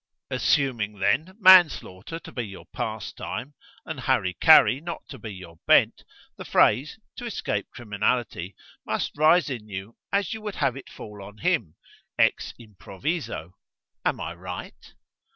Assuming, then, manslaughter to be your pastime, and hari kari not to be your bent, the phrase, to escape criminality, must rise in you as you would have it fall on him, ex improviso. Am I right?"